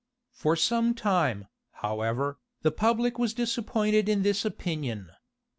For some time, however, the public was disappointed in this opinion.